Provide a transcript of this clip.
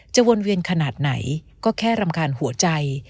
วนเวียนขนาดไหนก็แค่รำคาญหัวใจ